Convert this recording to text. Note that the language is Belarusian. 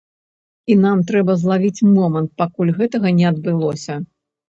І нам трэба злавіць момант, пакуль гэтага не адбылося.